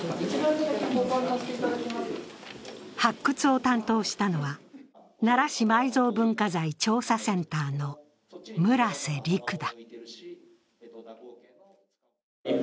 発掘を担当したのは奈良市埋蔵文化財調査センターの村瀬陸だ。